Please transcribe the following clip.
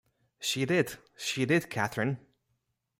She did, she did, Catherine!